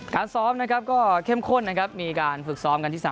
ซ้อมนะครับก็เข้มข้นนะครับมีการฝึกซ้อมกันที่๓